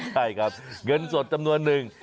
ใช่ครับเงินสดจำนวนนึง